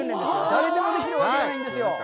誰でもできるわけがないんですよ。